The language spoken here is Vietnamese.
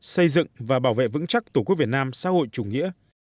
xây dựng và bảo vệ vững chắc tổ quốc việt nam xã hội chủ nghĩa